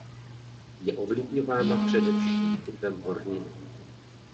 Je ovlivňována především typem horniny.